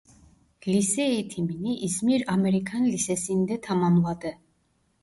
Lise eğitimini İzmir Amerikan Lisesi'nde tamamladı.